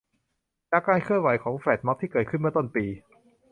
จากการเคลื่อนไหวของ แฟลชม็อบ ที่เกิดขึ้นเมื่อต้นปี